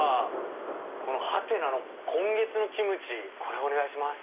ハテナの「今月のキムチ」お願いします。